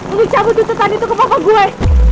untuk cabut ditetan itu ke papa gue